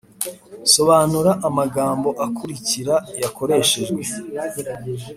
sobanura amagambo akurikira yakoreshejwe